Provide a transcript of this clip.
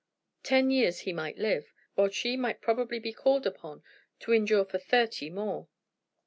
Ten years he might live, while she might probably be called upon to endure for thirty more.